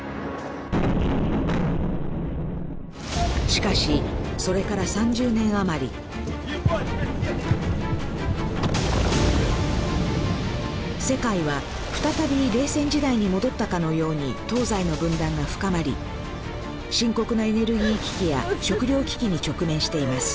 しかしそれから３０年余り世界は再び冷戦時代に戻ったかのように東西の分断が深まり深刻なエネルギー危機や食糧危機に直面しています